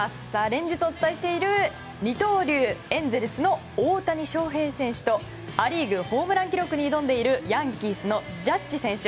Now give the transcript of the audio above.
連日お伝えしている、二刀流エンゼルスの大谷翔平選手とア・リーグホームラン記録に挑んでいるヤンキースのジャッジ選手。